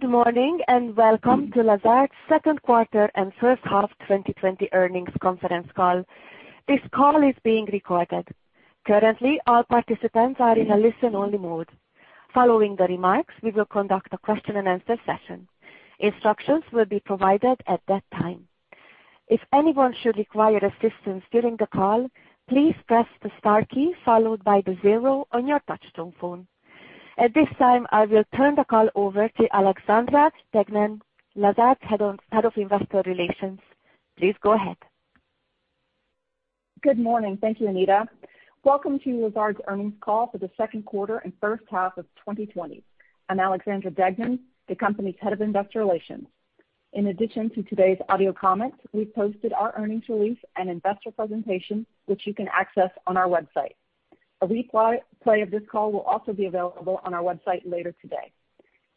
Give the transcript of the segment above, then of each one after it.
Good morning and welcome to Lazard's Second Quarter And First Half 2020 Earnings Conference Call. This call is being recorded. Currently, all participants are in a listen-only mode. Following the remarks, we will conduct a question-and-answer session. Instructions will be provided at that time. If anyone should require assistance during the call, please press the star key followed by the zero on your touch-tone phone. At this time, I will turn the call over to Alexandra Deignan, Lazard's Head of Investor Relations. Please go ahead. Good morning. Thank you, Anita. Welcome to Lazard's earnings call for the second quarter and first half of 2020. I'm Alexandra Deignan, the company's Head of Investor Relations. In addition to today's audio comments, we've posted our earnings release and investor presentation, which you can access on our website. A replay of this call will also be available on our website later today.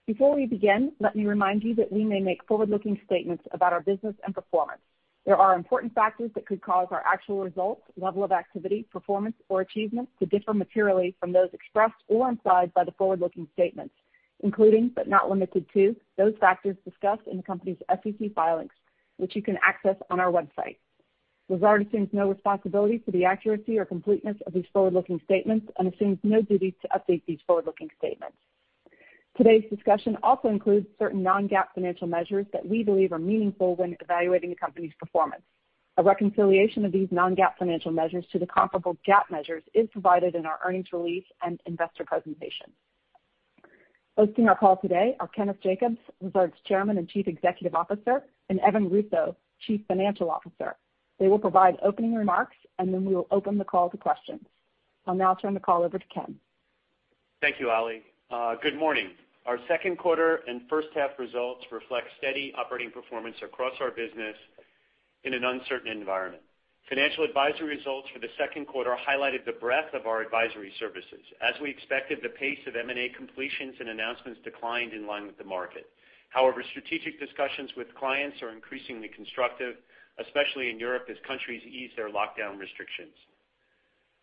Before we begin, let me remind you that we may make forward-looking statements about our business and performance. There are important factors that could cause our actual results, level of activity, performance, or achievement to differ materially from those expressed or implied by the forward-looking statements, including, but not limited to, those factors discussed in the company's SEC filings, which you can access on our website. Lazard assumes no responsibility for the accuracy or completeness of these forward-looking statements and assumes no duty to update these forward-looking statements. Today's discussion also includes certain non-GAAP financial measures that we believe are meaningful when evaluating the company's performance. A reconciliation of these non-GAAP financial measures to the comparable GAAP measures is provided in our earnings release and investor presentation. Hosting our call today are Kenneth Jacobs, Lazard's Chairman and Chief Executive Officer, and Evan Russo, Chief Financial Officer. They will provide opening remarks, and then we will open the call to questions. I'll now turn the call over to Ken. Thank you, Ali. Good morning. Our second quarter and first half results reflect steady operating performance across our business in an uncertain environment. Financial advisory results for the second quarter highlighted the breadth of our advisory services. As we expected, the pace of M&A completions and announcements declined in line with the market. However, strategic discussions with clients are increasingly constructive, especially in Europe as countries ease their lockdown restrictions.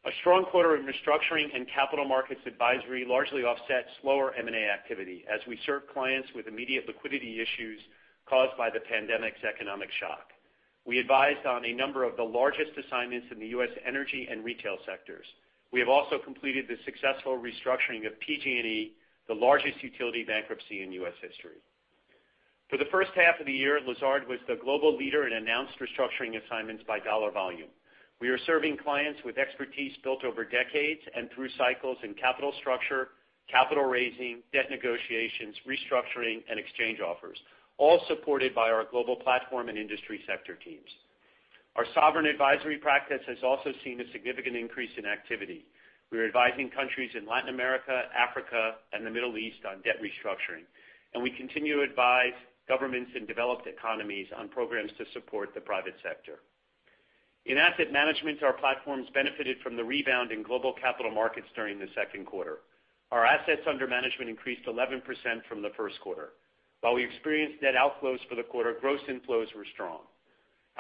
A strong quarter of restructuring and capital markets advisory largely offset slower M&A activity as we serve clients with immediate liquidity issues caused by the pandemic's economic shock. We advised on a number of the largest assignments in the U.S. energy and retail sectors. We have also completed the successful restructuring of PG&E, the largest utility bankruptcy in U.S. history. For the first half of the year, Lazard was the global leader in announced restructuring assignments by dollar volume. We are serving clients with expertise built over decades and through cycles in capital structure, capital raising, debt negotiations, restructuring, and exchange offers, all supported by our global platform and industry sector teams. Our sovereign advisory practice has also seen a significant increase in activity. We are advising countries in Latin America, Africa, and the Middle East on debt restructuring, and we continue to advise governments and developed economies on programs to support the private sector. In asset management, our platforms benefited from the rebound in global capital markets during the second quarter. Our assets under management increased 11% from the first quarter. While we experienced net outflows for the quarter, gross inflows were strong.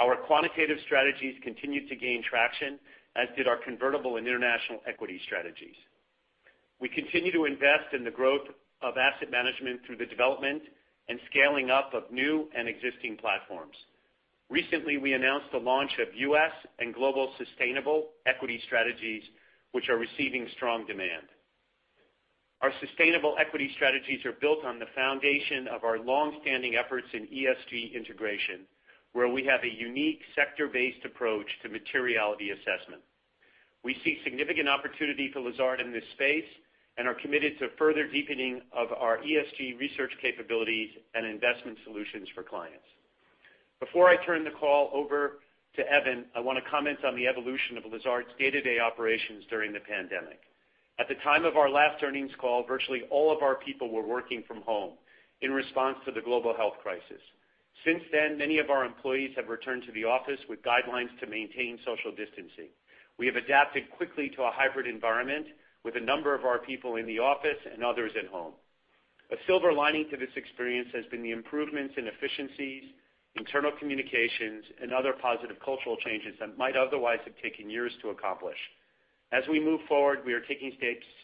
Our quantitative strategies continued to gain traction, as did our convertible and international equity strategies. We continue to invest in the growth of asset management through the development and scaling up of new and existing platforms. Recently, we announced the launch of U.S. and global sustainable equity strategies, which are receiving strong demand. Our sustainable equity strategies are built on the foundation of our long-standing efforts in ESG integration, where we have a unique sector-based approach to materiality assessment. We see significant opportunity for Lazard in this space and are committed to further deepening of our ESG research capabilities and investment solutions for clients. Before I turn the call over to Evan, I want to comment on the evolution of Lazard's day-to-day operations during the pandemic. At the time of our last earnings call, virtually all of our people were working from home in response to the global health crisis. Since then, many of our employees have returned to the office with guidelines to maintain social distancing. We have adapted quickly to a hybrid environment with a number of our people in the office and others at home. A silver lining to this experience has been the improvements in efficiencies, internal communications, and other positive cultural changes that might otherwise have taken years to accomplish. As we move forward, we are taking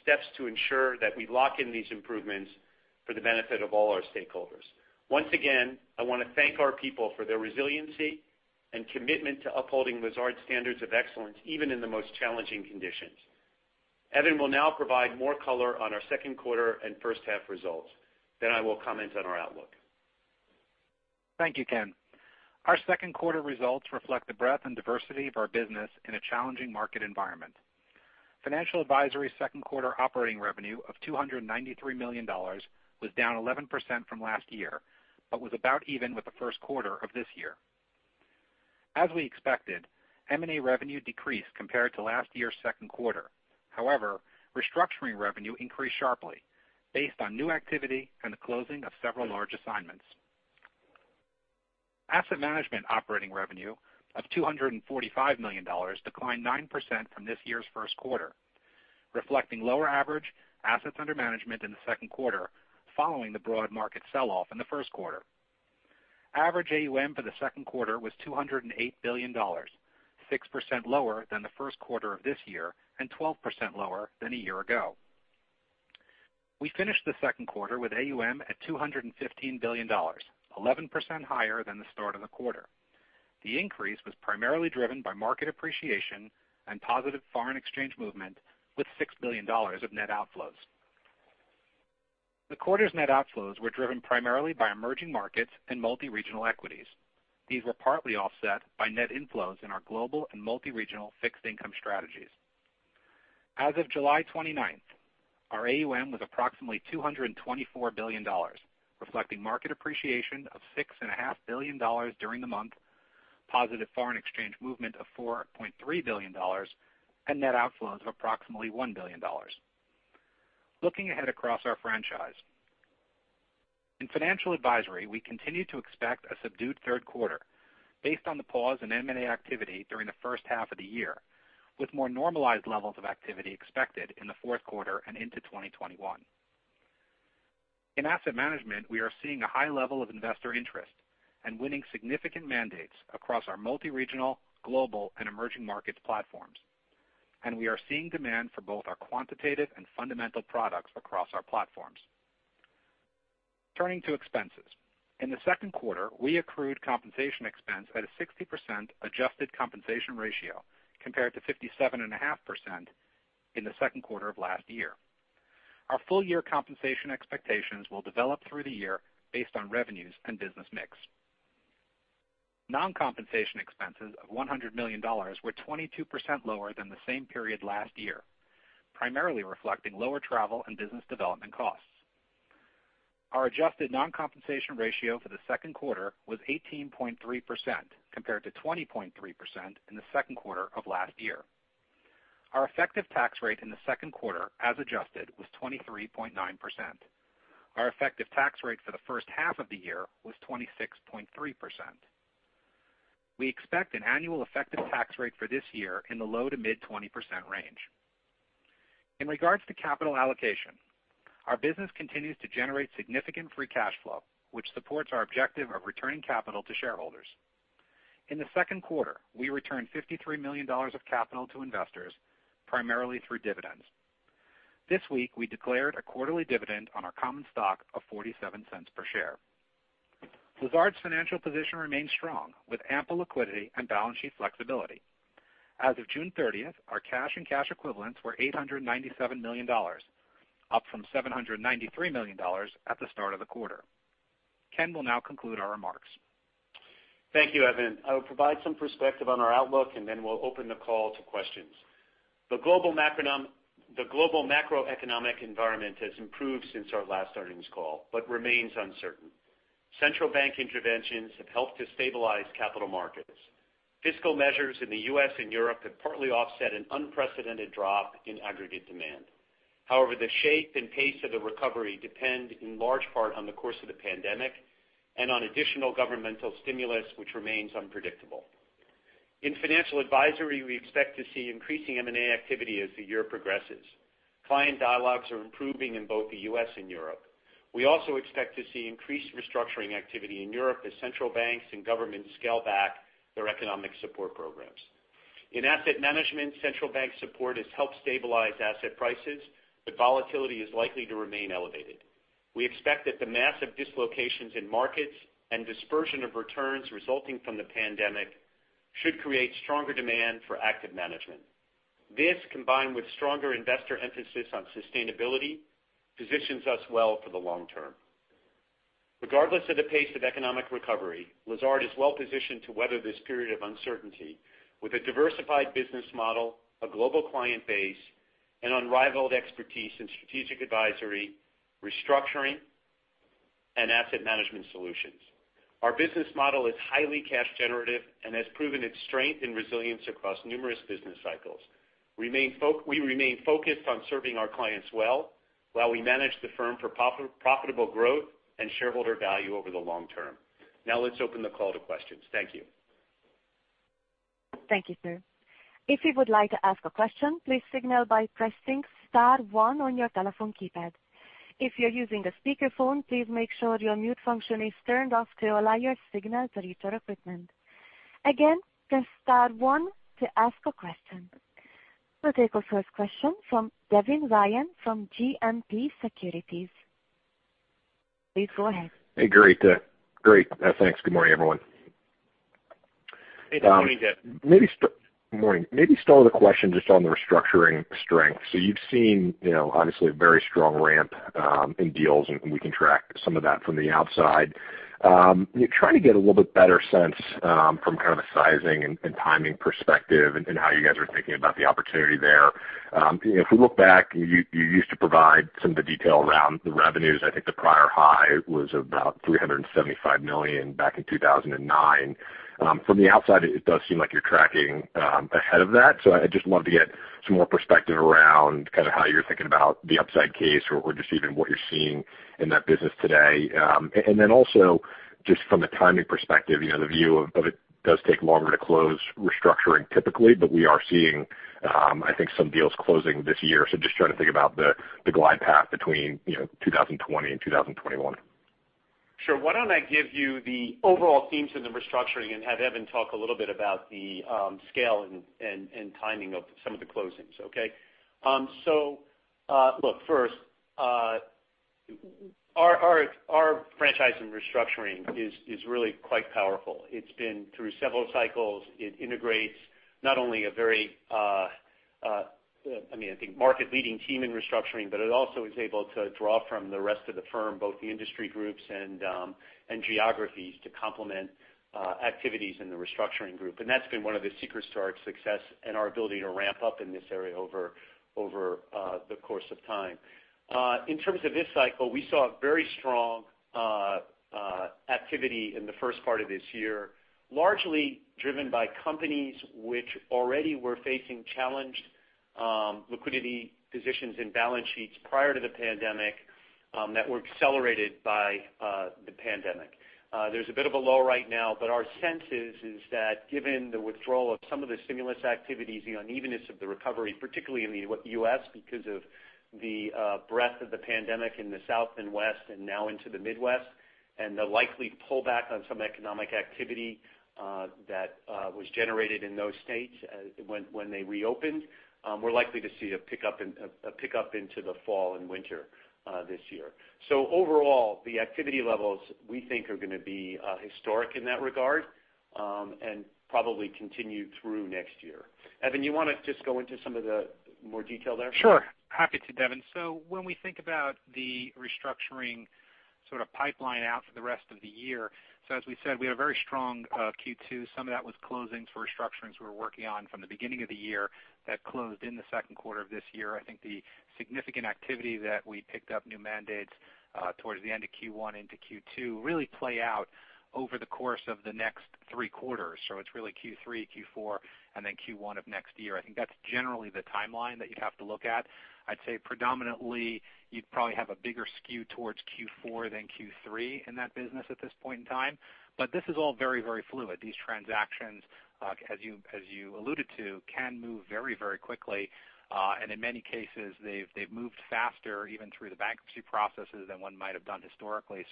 steps to ensure that we lock in these improvements for the benefit of all our stakeholders. Once again, I want to thank our people for their resiliency and commitment to upholding Lazard's standards of excellence even in the most challenging conditions. Evan will now provide more color on our second quarter and first half results, then I will comment on our outlook. Thank you, Ken. Our second quarter results reflect the breadth and diversity of our business in a challenging market environment. Financial advisory's second quarter operating revenue of $293 million was down 11% from last year but was about even with the first quarter of this year. As we expected, M&A revenue decreased compared to last year's second quarter. However, restructuring revenue increased sharply based on new activity and the closing of several large assignments. Asset management operating revenue of $245 million declined 9% from this year's first quarter, reflecting lower average assets under management in the second quarter following the broad market sell-off in the first quarter. Average AUM for the second quarter was $208 billion, 6% lower than the first quarter of this year and 12% lower than a year ago. We finished the second quarter with AUM at $215 billion, 11% higher than the start of the quarter. The increase was primarily driven by market appreciation and positive foreign exchange movement with $6 billion of net outflows. The quarter's net outflows were driven primarily by emerging markets and multi-regional equities. These were partly offset by net inflows in our global and multi-regional fixed income strategies. As of July 29, our AUM was approximately $224 billion, reflecting market appreciation of $6.5 billion during the month, positive foreign exchange movement of $4.3 billion, and net outflows of approximately $1 billion. Looking ahead across our franchise, in financial advisory, we continue to expect a subdued third quarter based on the pause in M&A activity during the first half of the year, with more normalized levels of activity expected in the fourth quarter and into 2021. In asset management, we are seeing a high level of investor interest and winning significant mandates across our multi-regional, global, and emerging markets platforms, and we are seeing demand for both our quantitative and fundamental products across our platforms. Turning to expenses, in the second quarter, we accrued compensation expense at a 60% adjusted compensation ratio compared to 57.5% in the second quarter of last year. Our full-year compensation expectations will develop through the year based on revenues and business mix. Non-compensation expenses of $100 million were 22% lower than the same period last year, primarily reflecting lower travel and business development costs. Our adjusted non-compensation ratio for the second quarter was 18.3% compared to 20.3% in the second quarter of last year. Our effective tax rate in the second quarter, as adjusted, was 23.9%. Our effective tax rate for the first half of the year was 26.3%. We expect an annual effective tax rate for this year in the low to mid 20% range. In regards to capital allocation, our business continues to generate significant free cash flow, which supports our objective of returning capital to shareholders. In the second quarter, we returned $53 million of capital to investors, primarily through dividends. This week, we declared a quarterly dividend on our common stock of $0.47 per share. Lazard's financial position remains strong with ample liquidity and balance sheet flexibility. As of June 30, our cash and cash equivalents were $897 million, up from $793 million at the start of the quarter. Ken will now conclude our remarks. Thank you, Evan. I'll provide some perspective on our outlook, and then we'll open the call to questions. The global macroeconomic environment has improved since our last earnings call but remains uncertain. Central Bank interventions have helped to stabilize capital markets. Fiscal measures in the U.S. and Europe have partly offset an unprecedented drop in aggregate demand. However, the shape and pace of the recovery depend in large part on the course of the pandemic and on additional governmental stimulus, which remains unpredictable. In financial advisory, we expect to see increasing M&A activity as the year progresses. Client dialogues are improving in both the U.S. and Europe. We also expect to see increased restructuring activity in Europe as central banks and governments scale back their economic support programs. In asset management, central bank support has helped stabilize asset prices, but volatility is likely to remain elevated. We expect that the massive dislocations in markets and dispersion of returns resulting from the pandemic should create stronger demand for active management. This, combined with stronger investor emphasis on sustainability, positions us well for the long term. Regardless of the pace of economic recovery, Lazard is well positioned to weather this period of uncertainty with a diversified business model, a global client base, and unrivaled expertise in strategic advisory, restructuring, and asset management solutions. Our business model is highly cash-generative and has proven its strength and resilience across numerous business cycles. We remain focused on serving our clients well while we manage the firm for profitable growth and shareholder value over the long term. Now, let's open the call to questions. Thank you. Thank you, sir. If you would like to ask a question, please signal by pressing Star one on your telephone keypad. If you're using a speakerphone, please make sure your mute function is turned off to allow your signal to reach your equipment. Again, press Star one to ask a question. We'll take our first question from Devin Ryan from JMP Securities. Please go ahead. Hey, great. Thanks. Good morning, everyone. Hey, good morning, Dev. Good morning. Maybe start with a question just on the restructuring strength. You have seen, obviously, a very strong ramp in deals, and we can track some of that from the outside. Trying to get a little bit better sense from kind of a sizing and timing perspective and how you guys are thinking about the opportunity there. If we look back, you used to provide some of the detail around the revenues. I think the prior high was about $375 million back in 2009. From the outside, it does seem like you are tracking ahead of that. I would just love to get some more perspective around kind of how you are thinking about the upside case or just even what you are seeing in that business today. Just from a timing perspective, the view of it does take longer to close restructuring typically, but we are seeing, I think, some deals closing this year. Just trying to think about the glide path between 2020 and 2021. Sure. Why don't I give you the overall themes in the restructuring and have Evan talk a little bit about the scale and timing of some of the closings, okay? Look, first, our franchise in restructuring is really quite powerful. It's been through several cycles. It integrates not only a very, I mean, I think, market-leading team in restructuring, but it also is able to draw from the rest of the firm, both the industry groups and geographies, to complement activities in the restructuring group. That's been one of the secrets to our success and our ability to ramp up in this area over the course of time. In terms of this cycle, we saw very strong activity in the first part of this year, largely driven by companies which already were facing challenged liquidity positions in balance sheets prior to the pandemic that were accelerated by the pandemic. There is a bit of a lull right now, but our sense is that given the withdrawal of some of the stimulus activities, the unevenness of the recovery, particularly in the U.S. because of the breadth of the pandemic in the South and West and now into the Midwest, and the likely pullback on some economic activity that was generated in those states when they reopened, we are likely to see a pickup into the fall and winter this year. Overall, the activity levels, we think, are going to be historic in that regard and probably continue through next year. Evan, you want to just go into some of the more detail there? Sure. Happy to, Devin. When we think about the restructuring sort of pipeline out for the rest of the year, as we said, we had a very strong Q2. Some of that was closings for restructurings we were working on from the beginning of the year that closed in the second quarter of this year. I think the significant activity that we picked up new mandates towards the end of Q1 into Q2 really play out over the course of the next three quarters. It is really Q3, Q4, and then Q1 of next year. I think that is generally the timeline that you would have to look at. I would say predominantly, you would probably have a bigger skew towards Q4 than Q3 in that business at this point in time. This is all very, very fluid. These transactions, as you alluded to, can move very, very quickly. In many cases, they've moved faster even through the bankruptcy processes than one might have done historically.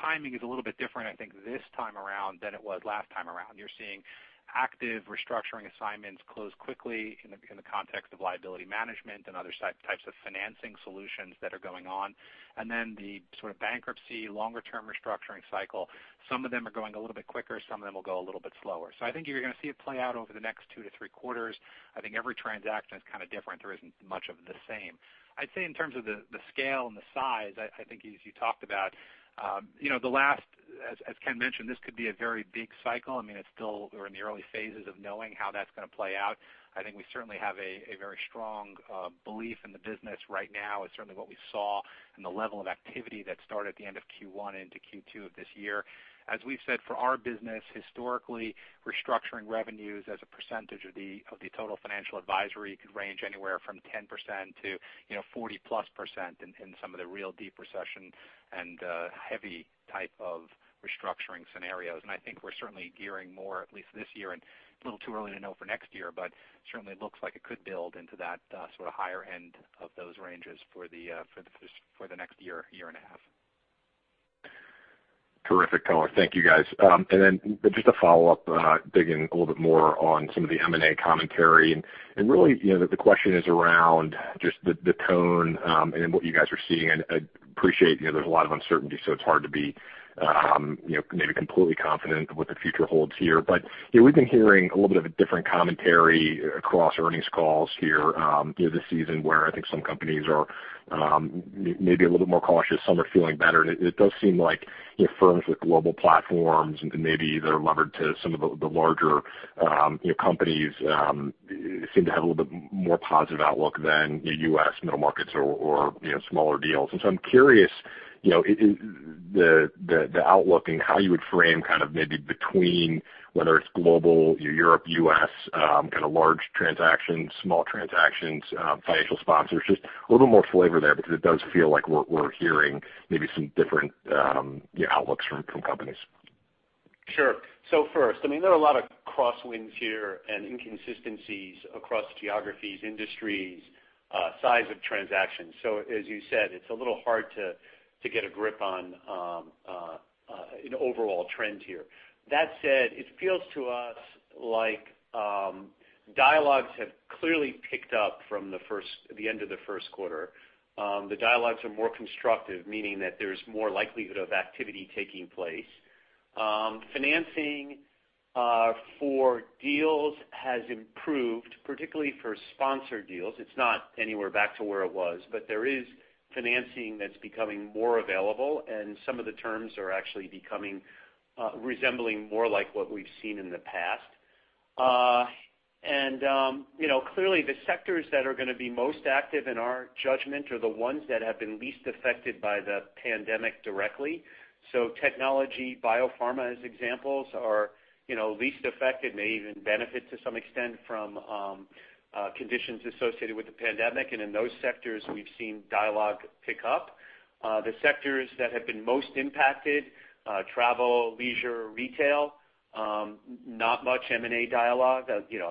Timing is a little bit different, I think, this time around than it was last time around. You're seeing active restructuring assignments close quickly in the context of liability management and other types of financing solutions that are going on. The sort of bankruptcy longer-term restructuring cycle, some of them are going a little bit quicker, some of them will go a little bit slower. I think you're going to see it play out over the next two to three quarters. I think every transaction is kind of different. There isn't much of the same. I'd say in terms of the scale and the size, I think, as you talked about, the last, as Ken mentioned, this could be a very big cycle. I mean, we're in the early phases of knowing how that's going to play out. I think we certainly have a very strong belief in the business right now. It's certainly what we saw in the level of activity that started at the end of Q1 into Q2 of this year. As we've said, for our business, historically, restructuring revenues as a percentage of the total financial advisory could range anywhere from 10%-40+% in some of the real deep recession and heavy type of restructuring scenarios. I think we're certainly gearing more, at least this year, and a little too early to know for next year, but certainly it looks like it could build into that sort of higher end of those ranges for the next year, year and a half. Terrific, colleagues. Thank you, guys. Just to follow up, digging a little bit more on some of the M&A commentary. Really, the question is around just the tone and what you guys are seeing. I appreciate there's a lot of uncertainty, so it's hard to be maybe completely confident of what the future holds here. We've been hearing a little bit of a different commentary across earnings calls here this season where I think some companies are maybe a little bit more cautious. Some are feeling better. It does seem like firms with global platforms and maybe they're levered to some of the larger companies seem to have a little bit more positive outlook than U.S. middle markets or smaller deals. I'm curious the outlook and how you would frame kind of maybe between whether it's global, Europe, U.S., kind of large transactions, small transactions, financial sponsors, just a little bit more flavor there because it does feel like we're hearing maybe some different outlooks from companies. Sure. First, I mean, there are a lot of crosswinds here and inconsistencies across geographies, industries, size of transactions. As you said, it's a little hard to get a grip on an overall trend here. That said, it feels to us like dialogues have clearly picked up from the end of the first quarter. The dialogues are more constructive, meaning that there's more likelihood of activity taking place. Financing for deals has improved, particularly for sponsored deals. It's not anywhere back to where it was, but there is financing that's becoming more available, and some of the terms are actually resembling more like what we've seen in the past. Clearly, the sectors that are going to be most active in our judgment are the ones that have been least affected by the pandemic directly. Technology, biopharma as examples, are least affected, may even benefit to some extent from conditions associated with the pandemic. In those sectors, we've seen dialogue pick up. The sectors that have been most impacted: travel, leisure, retail, not much M&A dialogue.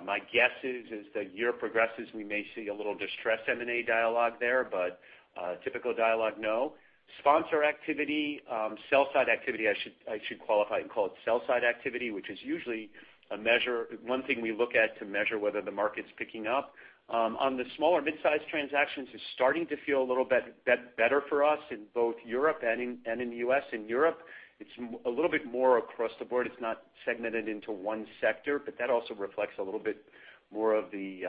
My guess is, as the year progresses, we may see a little distressed M&A dialogue there, but typical dialogue, no. Sponsor activity, sell-side activity, I should qualify and call it sell-side activity, which is usually one thing we look at to measure whether the market's picking up. On the smaller, mid-sized transactions, it's starting to feel a little bit better for us in both Europe and in the U.S. In Europe, it's a little bit more across the board. It's not segmented into one sector, but that also reflects a little bit more of the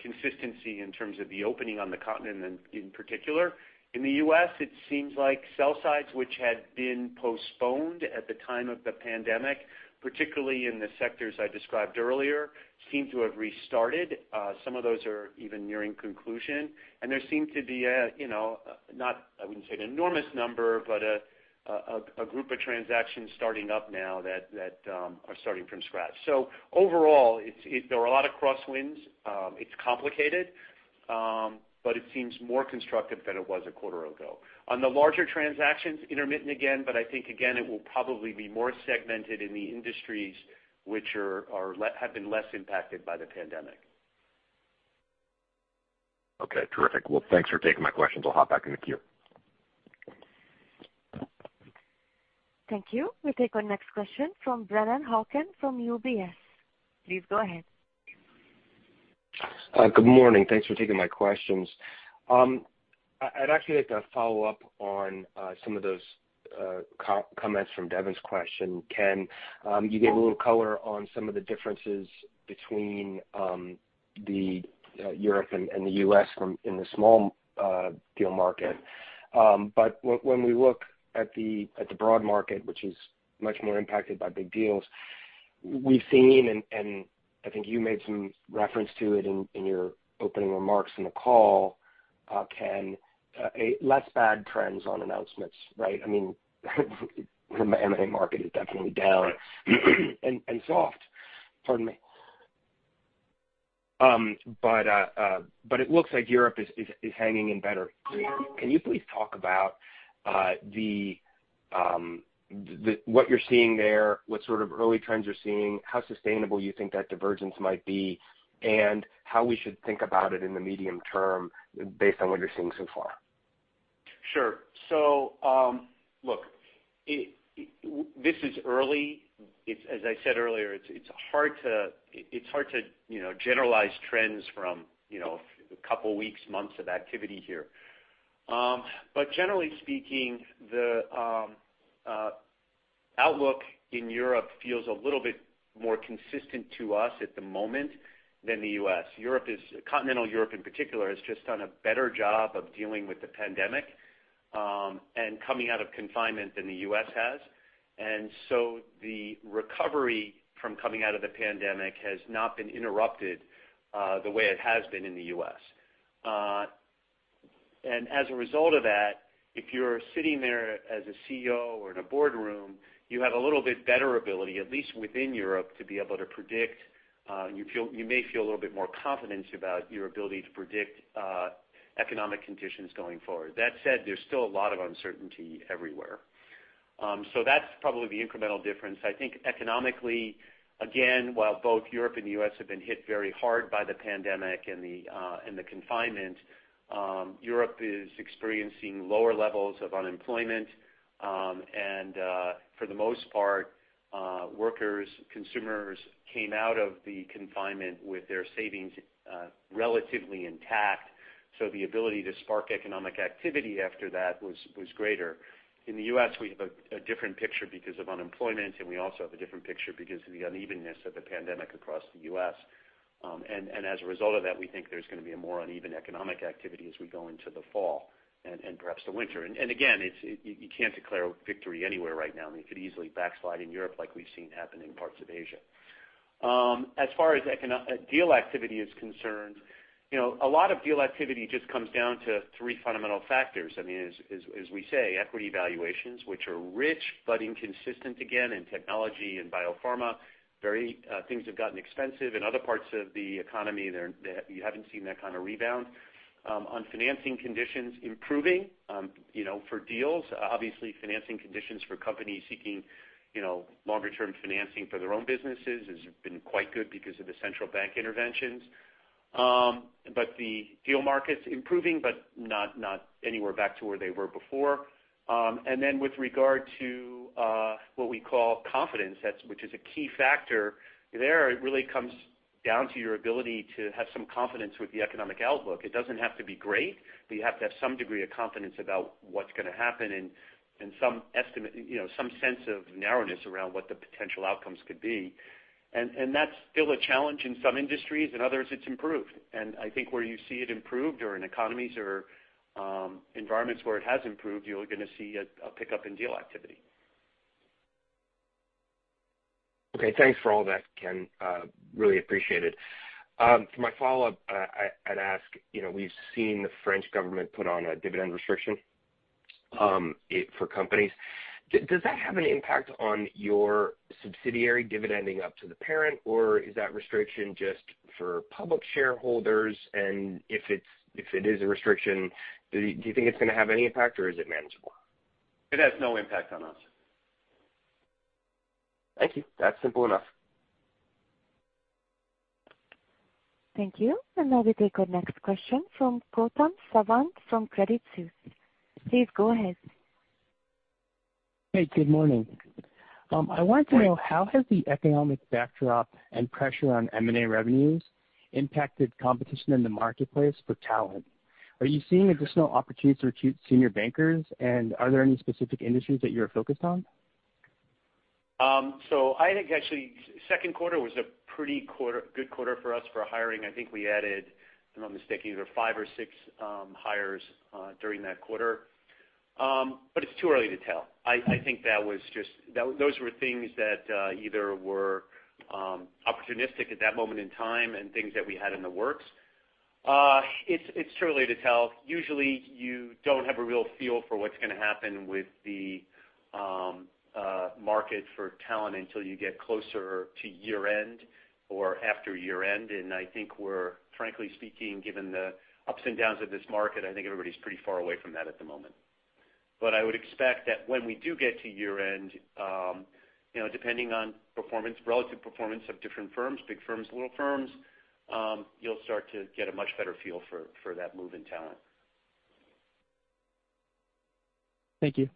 consistency in terms of the opening on the continent in particular. In the U.S., it seems like sell-sides, which had been postponed at the time of the pandemic, particularly in the sectors I described earlier, seem to have restarted. Some of those are even nearing conclusion. There seems to be a—not I wouldn't say an enormous number, but a group of transactions starting up now that are starting from scratch. Overall, there are a lot of crosswinds. It's complicated, but it seems more constructive than it was a quarter ago. On the larger transactions, intermittent again, but I think, again, it will probably be more segmented in the industries which have been less impacted by the pandemic. Okay. Terrific. Thanks for taking my questions. I'll hop back in the queue. Thank you. We'll take one next question from Brennan Hawken from UBS. Please go ahead. Good morning. Thanks for taking my questions. I'd actually like to follow up on some of those comments from Devin's question. Ken, you gave a little color on some of the differences between the Europe and the U.S. in the small deal market. When we look at the broad market, which is much more impacted by big deals, we've seen—and I think you made some reference to it in your opening remarks in the call, Ken—less bad trends on announcements, right? I mean, the M&A market is definitely down and soft. Pardon me. It looks like Europe is hanging in better. Can you please talk about what you're seeing there, what sort of early trends you're seeing, how sustainable you think that divergence might be, and how we should think about it in the medium term based on what you're seeing so far? Sure. Look, this is early. As I said earlier, it's hard to generalize trends from a couple of weeks, months of activity here. Generally speaking, the outlook in Europe feels a little bit more consistent to us at the moment than the U.S. Continental Europe, in particular, has just done a better job of dealing with the pandemic and coming out of confinement than the U.S. has. The recovery from coming out of the pandemic has not been interrupted the way it has been in the U.S. As a result of that, if you're sitting there as a CEO or in a boardroom, you have a little bit better ability, at least within Europe, to be able to predict. You may feel a little bit more confidence about your ability to predict economic conditions going forward. That said, there's still a lot of uncertainty everywhere. That's probably the incremental difference. I think economically, again, while both Europe and the U.S. have been hit very hard by the pandemic and the confinement, Europe is experiencing lower levels of unemployment. For the most part, workers, consumers came out of the confinement with their savings relatively intact. The ability to spark economic activity after that was greater. In the U.S., we have a different picture because of unemployment, and we also have a different picture because of the unevenness of the pandemic across the U.S. As a result of that, we think there's going to be a more uneven economic activity as we go into the fall and perhaps the winter. Again, you can't declare a victory anywhere right now. You could easily backslide in Europe like we've seen happen in parts of Asia. As far as deal activity is concerned, a lot of deal activity just comes down to three fundamental factors. I mean, as we say, equity valuations, which are rich but inconsistent again in technology and biopharma. Things have gotten expensive. In other parts of the economy, you have not seen that kind of rebound. On financing conditions, improving for deals. Obviously, financing conditions for companies seeking longer-term financing for their own businesses has been quite good because of the central bank interventions. The deal market is improving, but not anywhere back to where they were before. With regard to what we call confidence, which is a key factor there, it really comes down to your ability to have some confidence with the economic outlook. It does not have to be great, but you have to have some degree of confidence about what is going to happen and some sense of narrowness around what the potential outcomes could be. That is still a challenge in some industries. In others, it has improved. I think where you see it improved or in economies or environments where it has improved, you are going to see a pickup in deal activity. Okay. Thanks for all that, Ken. Really appreciate it. For my follow-up, I'd ask, we've seen the French government put on a dividend restriction for companies. Does that have an impact on your subsidiary dividending up to the parent, or is that restriction just for public shareholders? If it is a restriction, do you think it's going to have any impact, or is it manageable? It has no impact on us. Thank you. That's simple enough. Thank you. Now we take our next question from Gautam Savant from Credit Suisse. Please go ahead. Hey, good morning. I wanted to know how has the economic backdrop and pressure on M&A revenues impacted competition in the marketplace for talent? Are you seeing additional opportunities to recruit senior bankers, and are there any specific industries that you're focused on? I think actually second quarter was a pretty good quarter for us for hiring. I think we added, if I'm not mistaken, either five or six hires during that quarter. It's too early to tell. I think that was just those were things that either were opportunistic at that moment in time and things that we had in the works. It's too early to tell. Usually, you don't have a real feel for what's going to happen with the market for talent until you get closer to year-end or after year-end. I think we're, frankly speaking, given the ups and downs of this market, I think everybody's pretty far away from that at the moment. I would expect that when we do get to year-end, depending on relative performance of different firms, big firms, little firms, you'll start to get a much better feel for that move in talent. Thank you.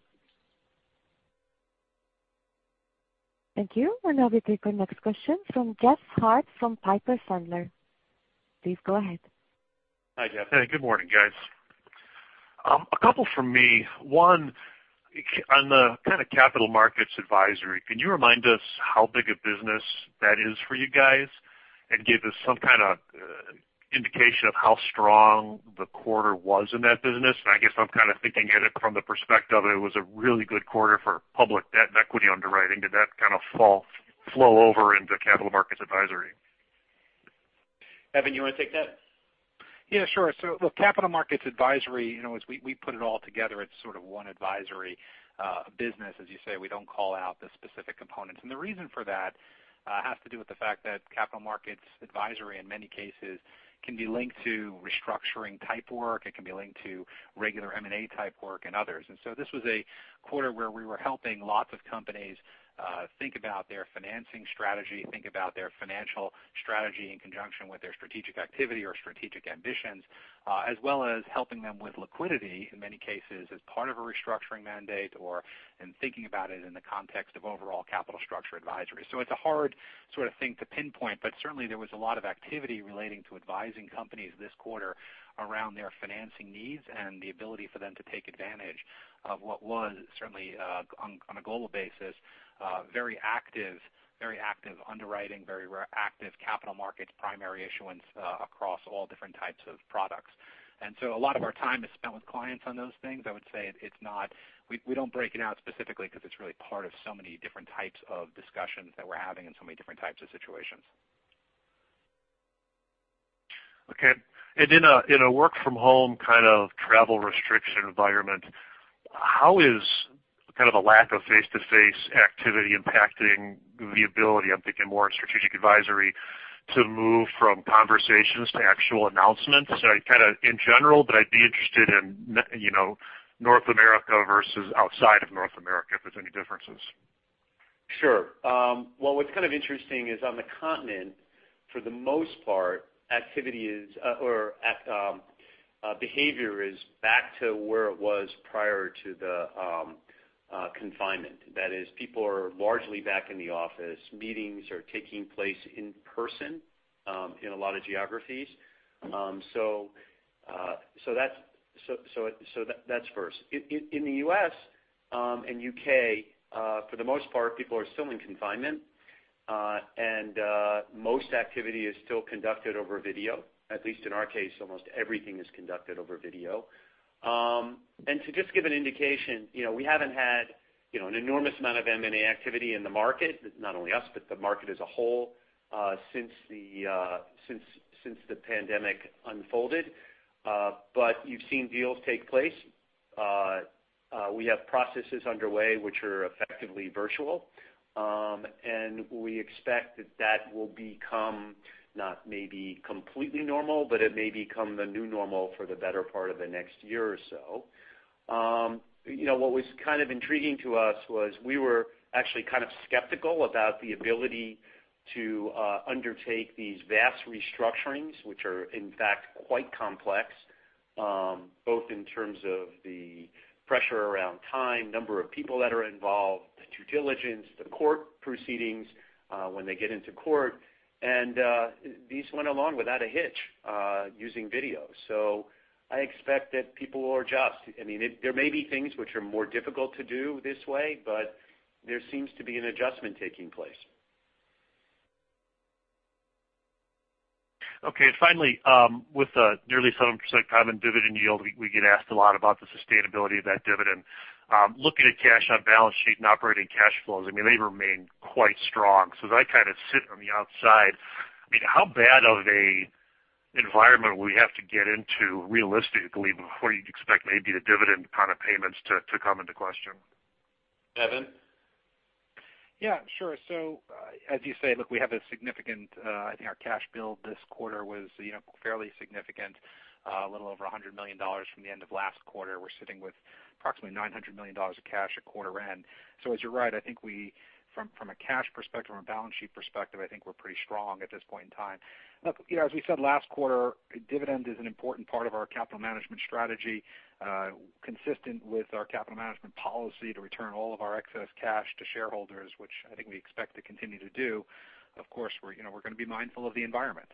Thank you. Now we take our next question from Jeff Hart from Piper Sandler. Please go ahead. Hi, Jeff. Hey, good morning, guys. A couple for me. One, on the kind of capital markets advisory, can you remind us how big a business that is for you guys and give us some kind of indication of how strong the quarter was in that business? I guess I'm kind of thinking of it from the perspective of it was a really good quarter for public debt and equity underwriting. Did that kind of flow over into capital markets advisory? Evan, you want to take that? Yeah, sure. Look, capital markets advisory, we put it all together. It's sort of one advisory business, as you say. We don't call out the specific components. The reason for that has to do with the fact that capital markets advisory, in many cases, can be linked to restructuring type work. It can be linked to regular M&A type work and others. This was a quarter where we were helping lots of companies think about their financing strategy, think about their financial strategy in conjunction with their strategic activity or strategic ambitions, as well as helping them with liquidity, in many cases, as part of a restructuring mandate or in thinking about it in the context of overall capital structure advisory. It's a hard sort of thing to pinpoint, but certainly, there was a lot of activity relating to advising companies this quarter around their financing needs and the ability for them to take advantage of what was, certainly, on a global basis, very active underwriting, very active capital markets primary issuance across all different types of products. A lot of our time is spent with clients on those things. I would say it's not, we do not break it out specifically because it's really part of so many different types of discussions that we're having in so many different types of situations. Okay. In a work-from-home kind of travel restriction environment, how is kind of a lack of face-to-face activity impacting the ability, I'm thinking more strategic advisory, to move from conversations to actual announcements? Kind of in general, but I'd be interested in North America versus outside of North America, if there's any differences. Sure. What is kind of interesting is, on the continent, for the most part, activity or behavior is back to where it was prior to the confinement. That is, people are largely back in the office. Meetings are taking place in person in a lot of geographies. That is first. In the U.S. and U.K., for the most part, people are still in confinement, and most activity is still conducted over video. At least in our case, almost everything is conducted over video. To just give an indication, we have not had an enormous amount of M&A activity in the market, not only us, but the market as a whole since the pandemic unfolded. You have seen deals take place. We have processes underway which are effectively virtual. We expect that that will become, not maybe completely normal, but it may become the new normal for the better part of the next year or so. What was kind of intriguing to us was we were actually kind of skeptical about the ability to undertake these vast restructurings, which are, in fact, quite complex, both in terms of the pressure around time, number of people that are involved, due diligence, the court proceedings when they get into court. These went along without a hitch using video. I expect that people will adjust. I mean, there may be things which are more difficult to do this way, but there seems to be an adjustment taking place. Okay. Finally, with the nearly 7% common dividend yield, we get asked a lot about the sustainability of that dividend. Looking at cash on balance sheet and operating cash flows, I mean, they remain quite strong. That kind of sits on the outside. I mean, how bad of an environment would we have to get into realistically before you'd expect maybe the dividend payments to come into question? Evan? Yeah, sure. As you say, look, we have a significant, I think our cash build this quarter was fairly significant, a little over $100 million from the end of last quarter. We're sitting with approximately $900 million of cash at quarter end. As you're right, I think from a cash perspective, from a balance sheet perspective, I think we're pretty strong at this point in time. As we said last quarter, dividend is an important part of our capital management strategy, consistent with our capital management policy to return all of our excess cash to shareholders, which I think we expect to continue to do. Of course, we're going to be mindful of the environment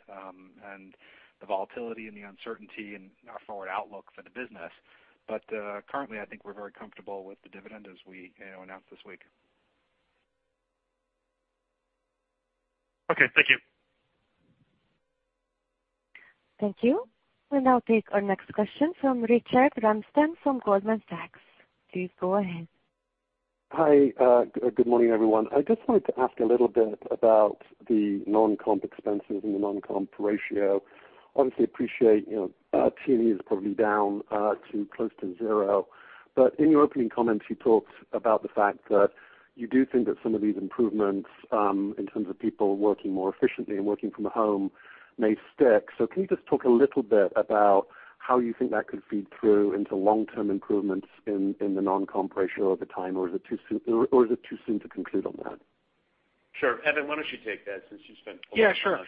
and the volatility and the uncertainty and our forward outlook for the business. Currently, I think we're very comfortable with the dividend as we announced this week. Okay. Thank you. Thank you. Now take our next question from Richard Ramsden from Goldman Sachs. Please go ahead. Hi. Good morning, everyone. I just wanted to ask a little bit about the non-comp expenses and the non-comp ratio. Obviously, appreciate T&E is probably down to close to zero. In your opening comments, you talked about the fact that you do think that some of these improvements in terms of people working more efficiently and working from home may stick. Can you just talk a little bit about how you think that could feed through into long-term improvements in the non-comp ratio over time, or is it too soon to conclude on that? Sure. Evan, why don't you take that since you spent 20 seconds on it?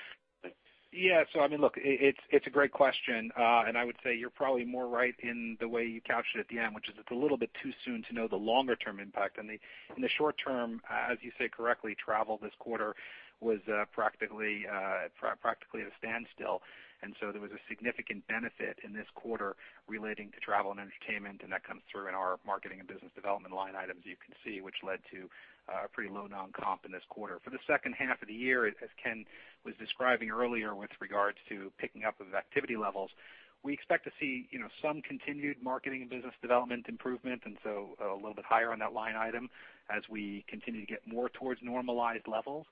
Yeah, sure. Yeah. I mean, look, it's a great question. I would say you're probably more right in the way you captured it at the end, which is it's a little bit too soon to know the longer-term impact. In the short term, as you say correctly, travel this quarter was practically at a standstill. There was a significant benefit in this quarter relating to travel and entertainment. That comes through in our marketing and business development line items, you can see, which led to a pretty low non-comp in this quarter. For the second half of the year, as Ken was describing earlier with regards to picking up of activity levels, we expect to see some continued marketing and business development improvement, and so a little bit higher on that line item as we continue to get more towards normalized levels.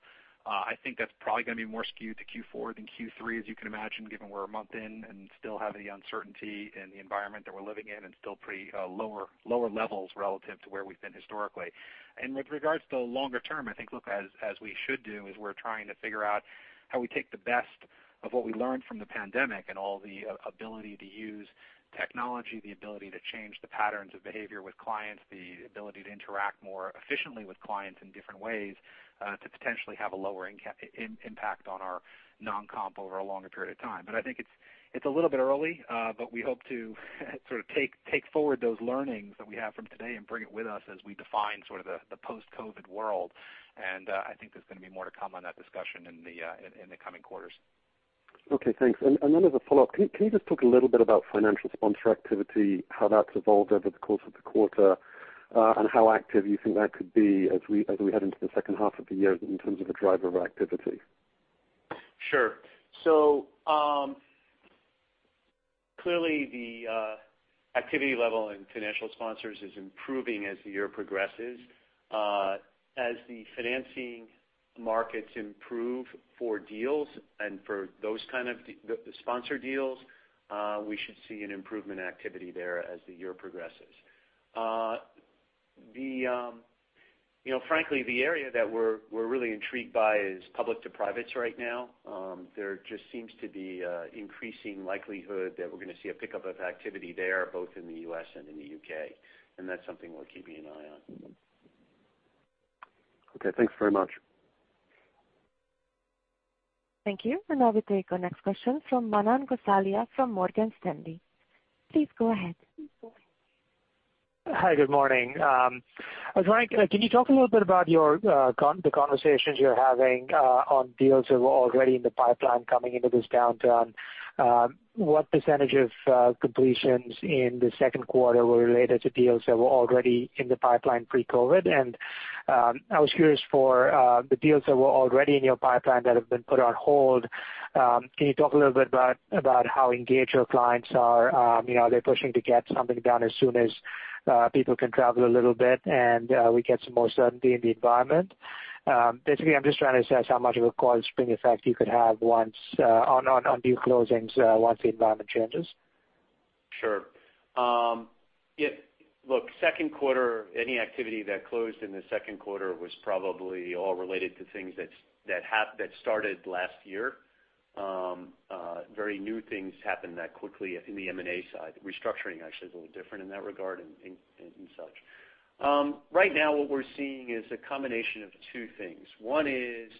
I think that's probably going to be more skewed to Q4 than Q3, as you can imagine, given we're a month in and still have the uncertainty in the environment that we're living in and still pretty lower levels relative to where we've been historically. With regards to the longer term, I think, look, as we should do, is we're trying to figure out how we take the best of what we learned from the pandemic and all the ability to use technology, the ability to change the patterns of behavior with clients, the ability to interact more efficiently with clients in different ways to potentially have a lower impact on our non-comp over a longer period of time. I think it's a little bit early, but we hope to sort of take forward those learnings that we have from today and bring it with us as we define sort of the post-COVID world. I think there's going to be more to come on that discussion in the coming quarters. Okay. Thanks. As a follow-up, can you just talk a little bit about financial sponsor activity, how that's evolved over the course of the quarter, and how active you think that could be as we head into the second half of the year in terms of a driver of activity? Sure. Clearly, the activity level in financial sponsors is improving as the year progresses. As the financing markets improve for deals and for those kind of sponsor deals, we should see an improvement in activity there as the year progresses. Frankly, the area that we're really intrigued by is public to privates right now. There just seems to be an increasing likelihood that we're going to see a pickup of activity there, both in the U.S. and in the U.K. That is something we're keeping an eye on. Okay. Thanks very much. Thank you. Now we take our next question from Manan Gosalia from Morgan Stanley. Please go ahead. Hi. Good morning. I was wondering, can you talk a little bit about the conversations you're having on deals that were already in the pipeline coming into this downturn? What percentages of completions in the second quarter were related to deals that were already in the pipeline pre-COVID? I was curious for the deals that were already in your pipeline that have been put on hold. Can you talk a little bit about how engaged your clients are? Are they pushing to get something done as soon as people can travel a little bit and we get some more certainty in the environment? Basically, I'm just trying to assess how much of a cold spring effect you could have on deal closings once the environment changes. Sure. Look, second quarter, any activity that closed in the second quarter was probably all related to things that started last year. Very new things happened that quickly in the M&A side. Restructuring, actually, is a little different in that regard and such. Right now, what we're seeing is a combination of two things. One is,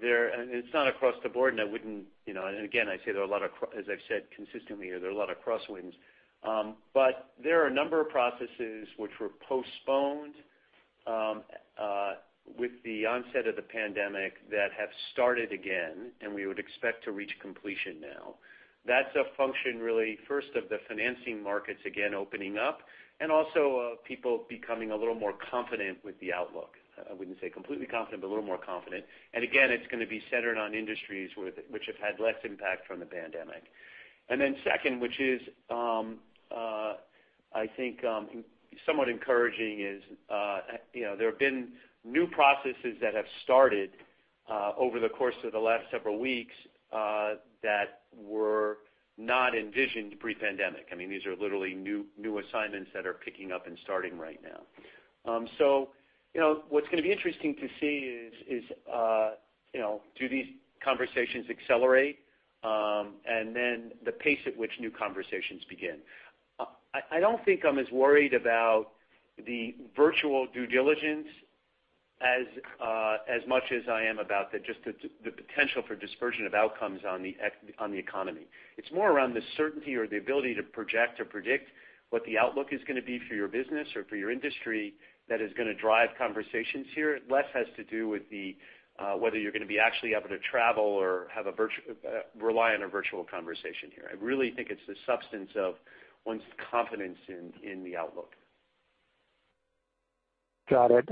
and it's not across the board, I wouldn't—and again, I say there are a lot of, as I've said consistently here, there are a lot of crosswinds. There are a number of processes which were postponed with the onset of the pandemic that have started again, and we would expect to reach completion now. That's a function really, first, of the financing markets, again, opening up, and also of people becoming a little more confident with the outlook. I wouldn't say completely confident, but a little more confident. It is going to be centered on industries which have had less impact from the pandemic. Second, which is, I think, somewhat encouraging, there have been new processes that have started over the course of the last several weeks that were not envisioned pre-pandemic. I mean, these are literally new assignments that are picking up and starting right now. What is going to be interesting to see is, do these conversations accelerate? The pace at which new conversations begin. I do not think I am as worried about the virtual due diligence as much as I am about just the potential for dispersion of outcomes on the economy. It is more around the certainty or the ability to project or predict what the outlook is going to be for your business or for your industry that is going to drive conversations here. Less has to do with whether you're going to be actually able to travel or rely on a virtual conversation here. I really think it's the substance of one's confidence in the outlook. Got it.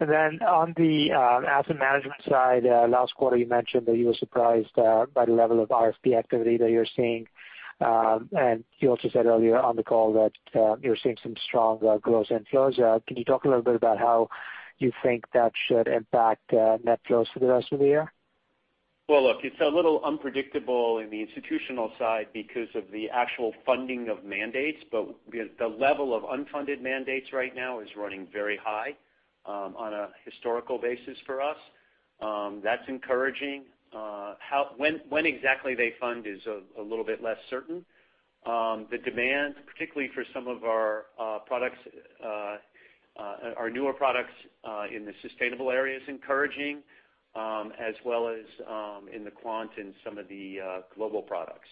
On the asset management side, last quarter, you mentioned that you were surprised by the level of RFP activity that you're seeing. You also said earlier on the call that you're seeing some strong growth in flows. Can you talk a little bit about how you think that should impact net flows for the rest of the year? Look, it's a little unpredictable in the institutional side because of the actual funding of mandates. The level of unfunded mandates right now is running very high on a historical basis for us. That's encouraging. When exactly they fund is a little bit less certain. The demand, particularly for some of our newer products in the sustainable area, is encouraging, as well as in the quant and some of the global products.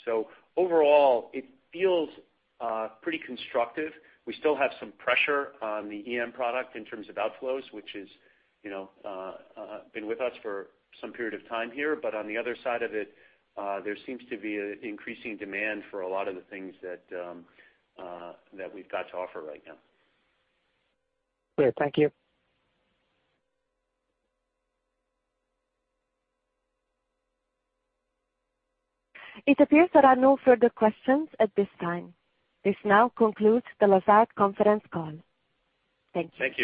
Overall, it feels pretty constructive. We still have some pressure on the EM product in terms of outflows, which has been with us for some period of time here. On the other side of it, there seems to be an increasing demand for a lot of the things that we've got to offer right now. Great. Thank you. It appears that I have no further questions at this time. This now concludes the Lazard conference call. Thank you.